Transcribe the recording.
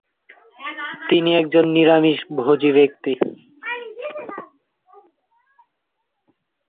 তিনি একজন নিরামিষভোজী ব্যক্তি।